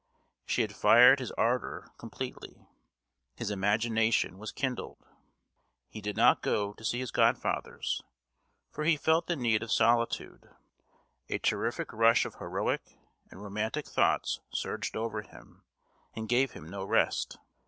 She had fired his ardour completely. His imagination was kindled. He did not go to his godfather's, for he felt the need of solitude. A terrific rush of heroic and romantic thoughts surged over him, and gave him no rest.